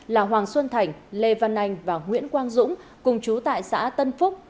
là hoàng xuân thành lê văn anh và nguyễn quang dũng cùng chú tại xã tân phúc